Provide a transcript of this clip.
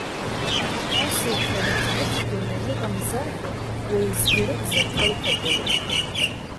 Ԥасеиԥш рыҽрыцәгьаны иҟамзаргьы, уеизгьы рыбз аҭра иҭагылом.